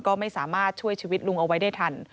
ก็ไม่สามารถช่วยชีวิตลุงเอาไว้ได้ทัน